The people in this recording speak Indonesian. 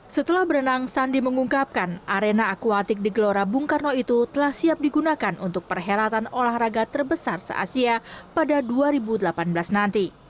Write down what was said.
setelah berenang sandi mengungkapkan arena akuatik di gelora bung karno itu telah siap digunakan untuk perhelatan olahraga terbesar se asia pada dua ribu delapan belas nanti